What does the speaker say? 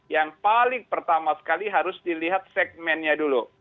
yang paling pertama sekali harus dilihat segmennya dulu